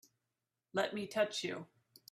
Let me touch you!